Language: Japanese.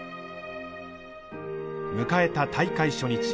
迎えた大会初日。